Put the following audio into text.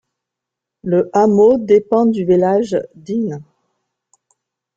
Le hameau dépend du village d'Een.